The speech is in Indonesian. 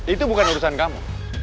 itu bukan urusan kamu